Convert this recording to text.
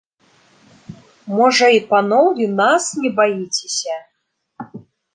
Можа, і паноў і нас не баіцеся?